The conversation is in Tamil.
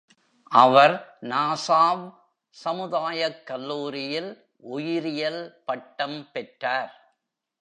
அவர் நாசாவ் சமுதாயக் கல்லூரியில் உயிரியல் பட்டம் பெற்றார்.